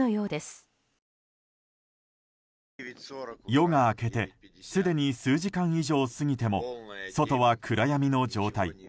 夜が明けてすでに数時間以上過ぎても外は暗闇の状態。